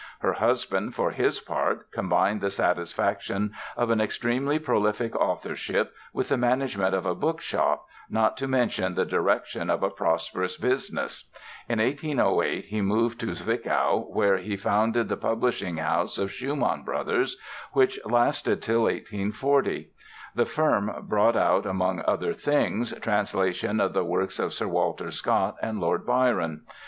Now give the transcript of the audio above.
Her husband for his part combined the satisfactions of an extremely prolific authorship with the management of a bookshop, not to mention the direction of a prosperous business. In 1808 he moved to Zwickau where he founded the publishing house of Schumann Brothers, which lasted till 1840. The firm brought out among other things translations of the works of Sir Walter Scott and Lord Byron.